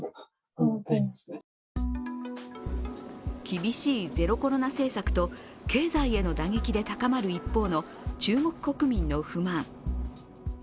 厳しいゼロコロナ政策と経済への打撃で高まる一方の中国国民の不満。